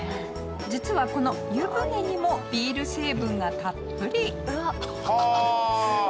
実はこの湯船にもビール成分がたっぷり。はあ！